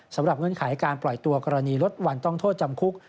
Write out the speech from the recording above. สำหรับเงินขายการปล่อยตัวกรณีลดวันต้องโทษจำคุก